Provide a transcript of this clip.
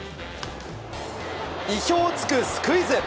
意表を突くスクイズ。